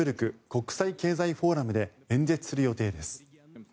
国際経済フォーラムで演説する予定です。